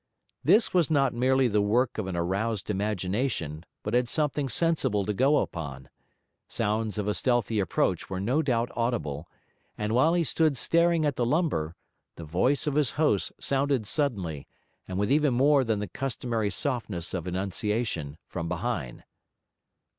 This was not merely the work of an aroused imagination, but had something sensible to go upon; sounds of a stealthy approach were no doubt audible; and while he still stood staring at the lumber, the voice of his host sounded suddenly, and with even more than the customary softness of enunciation, from behind.